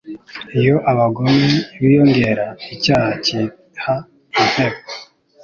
Iyo abagome biyongera icyaha cyiha intebe